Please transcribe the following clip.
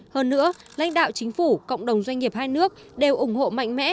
hơn nữa lãnh đạo chính phủ cộng đồng doanh nghiệp hai nước đều ủng hộ mạnh mẽ